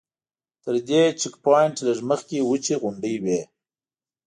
تر دې چیک پواینټ لږ مخکې وچې غونډۍ وې.